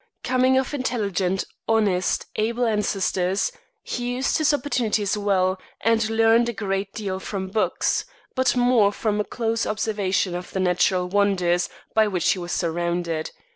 Coming of intelligent, honest, able ancestors, he used his opportunities well, and learned a great deal from books, but more from a close observation of the natural wonders by which he was surrounded.